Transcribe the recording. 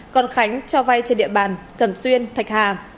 còn khánh cho vai trên địa bàn cầm xuyên thạch hà